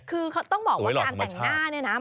คือต้องบอกว่าการแต่งหน้าเนี่ยนะ